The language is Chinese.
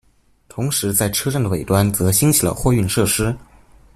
同时在车站的北端则兴起了货运设施。